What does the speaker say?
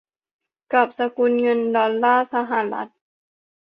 กับสกุลเงินดอลลาร์สหรัฐ